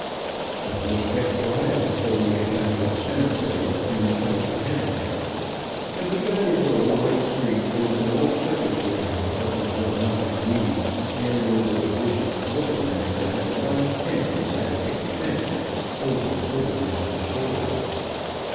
The horse kept quiet until we had got to the cemetery, and returned to town. As we got into a wide street there was an old circus ring, partly grown up with weeds, near where the division quartermaster had a large tent inside a picket fence, filled with quartermaster stores.